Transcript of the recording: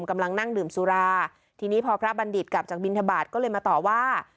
กำลังนั่งดื่มสุราทีนี้พอพระบัณฑิตกลับจากบินทบาทก็เลยมาต่อว่า